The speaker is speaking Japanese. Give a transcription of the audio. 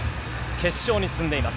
決勝に進んでいます。